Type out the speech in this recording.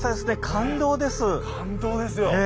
感動ですよ。